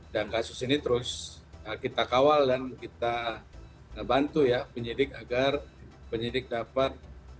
dan kasus ini terus kita kawal dan kita bantu ya penyidik agar penyidik dapat